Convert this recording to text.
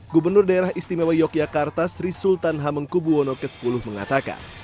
gubernur daerah istimewa yogyakarta sri sultan hamengkubuwono x mengatakan